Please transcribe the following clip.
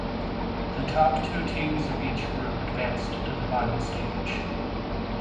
The top two teams of each group advanced to the final stage.